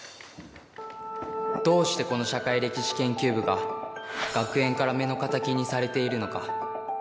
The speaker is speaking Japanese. どうしてこの社会歴史研究部が学園から目の敵にされているのか